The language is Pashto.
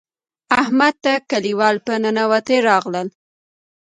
احمد ته کلیوال په ننواتې راغلل.